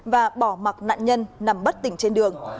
và bỏ mặc nạn nhân nằm bất tỉnh trên đường